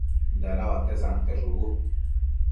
dada uate sante shubu